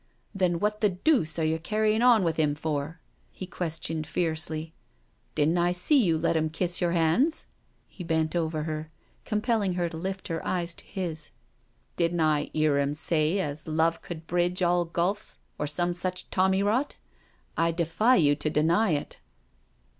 " Then what the deuce are you carrying on with 'im for?" he questioned fiercely. " Didn't I see you let 'im kiss your hands?" He bent over her, compelling her to lift her eyes to his. " Didn't I 'ear 'im say as love cud bridge over all gulfs, or some such tommy rot? I defy you to deny it."